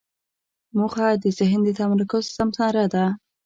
موخه د ذهن د تمرکز ثمره ده.